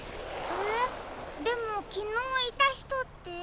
えでもきのういたひとって？